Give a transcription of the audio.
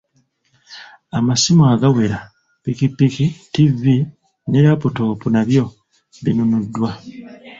Amasimu agawera, ppikipiki, ttivi ne laputoopu nabyo binnunuddwa.